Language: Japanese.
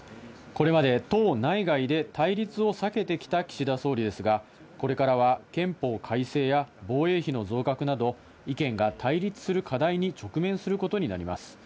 これまで、党内外で対立を避けてきた岸田総理ですが、これからは憲法改正や防衛費の増額など、意見が対立する課題に直面することになります。